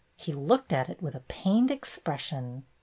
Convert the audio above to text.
He looked at it with a pained expression.